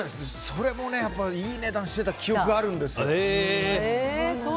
それも、いい値段してた記憶があるんですよ。